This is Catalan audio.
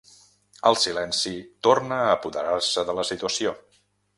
El silenci torna a apoderar-se de la situació.